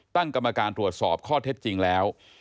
ตั้งกรรมการตรวจสอบข้อเท็จจริงแล้ว